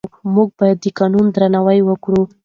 موږ باید د قانون درناوی وکړو.